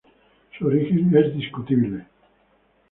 Su origen es discutido.